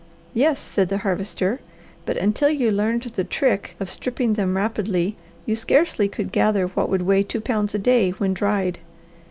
"Yes," said the Harvester, "but until you learned the trick of stripping them rapidly you scarcely could gather what would weigh two pounds a day, when dried.